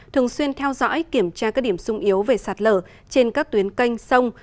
thường xuyên theo dõi kiểm tra các điểm sung yếu về sạt lở trên các tuyến canh sông